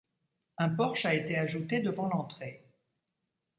Un porche a été ajouté devant l'entrée.